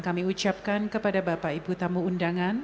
kami ucapkan kepada bapak ibu tamu undangan